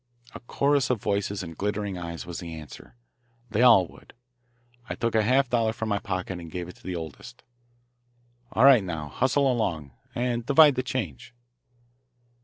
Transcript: A chorus of voices and glittering eyes was the answer. They all would. I took a half dollar from my pocket and gave it to the oldest. "All right now, hustle along, and divide the change."